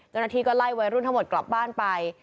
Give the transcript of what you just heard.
กรุณาทีก็ไล่วัยรุ่นทั้งหมดกลับบ้านไป